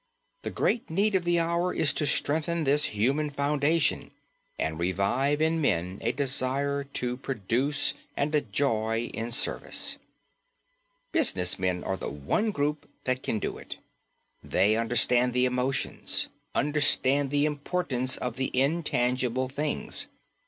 The great need of the hour is to strengthen this human foundation and revive in men a desire to produce and a joy in service. Business men are the one group that can do it. They understand the emotions, understand the importance of the intangible things.